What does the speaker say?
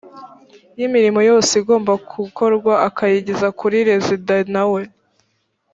y imirimo yose igomba gukorwa akayigeza kuri rezida na we